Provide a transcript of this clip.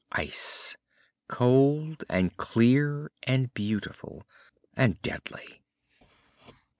Ice. Cold and clear and beautiful and deadly.